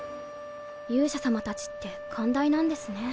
勇者様たちって寛大なんですね。